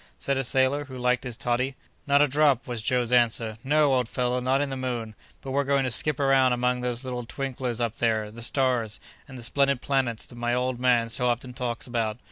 said a sailor who liked his toddy. "Not a drop!" was Joe's answer. "No! old fellow, not in the moon. But we're going to skip round among those little twinklers up there—the stars—and the splendid planets that my old man so often talks about.